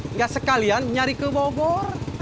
enggak sekalian nyari ke bogor